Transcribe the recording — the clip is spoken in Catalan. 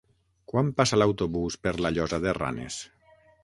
Quan passa l'autobús per la Llosa de Ranes?